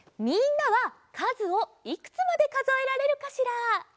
みんなはかずをいくつまでかぞえられるかしら？